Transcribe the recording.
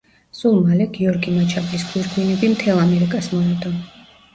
სულ მალე გიორგი მაჩაბლის გვირგვინები მთელ ამერიკას მოედო.